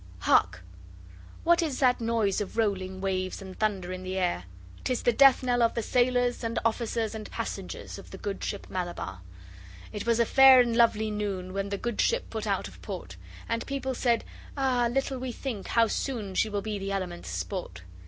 Hark! what is that noise of rolling Waves and thunder in the air? 'Tis the death knell of the sailors And officers and passengers of the good ship Malabar. It was a fair and lovely noon When the good ship put out of port And people said 'ah little we think How soon she will be the elements' sport.